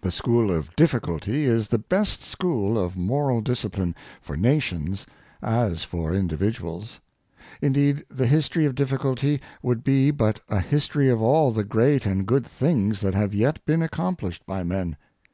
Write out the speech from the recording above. The school of Difficulty is the best school of moral discipline, for nations as for individuals. Indeed, the history of difficulty would be but a history of all the great and good things that have yet been accomplished by men.